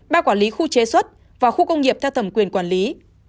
ba quản lý khu chế xuất và khu công nghiệp theo thẩm quyền quản lý